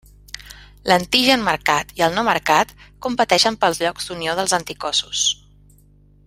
L'antigen marcat i el no marcat competeixen pels llocs d'unió dels anticossos.